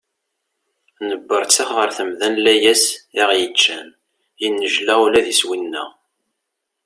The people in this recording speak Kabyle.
Nebberttex ɣer temda n layas i aɣ-yeččan, yennejla ula d iswi-nneɣ.